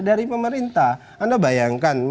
dari pemerintah anda bayangkan